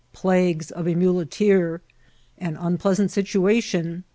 ^PligQes of a Mnkleflr. ^AA unpleasant Situation.